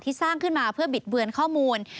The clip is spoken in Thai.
สร้างขึ้นมาเพื่อบิดเบือนข้อมูล